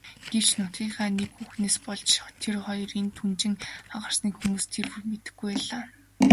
Гэвч нутгийнхаа нэг хүүхнээс болж тэр хоёрын түнжин хагарсныг хүмүүс тэр бүр мэдэхгүй байлаа.